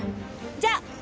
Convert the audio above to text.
じゃあ！